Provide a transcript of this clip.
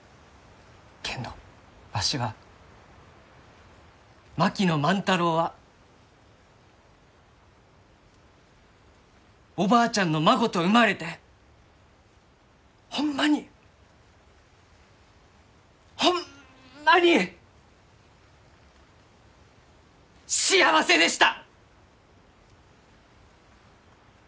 けんどわしは槙野万太郎はおばあちゃんの孫と生まれてホンマにホンマに幸せでした！